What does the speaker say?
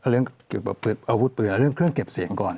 เรื่องอาวุธเปลือนเรื่องเครื่องเก็บเสียงก่อน